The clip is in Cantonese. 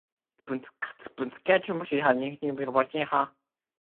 你唔好聽日先黎？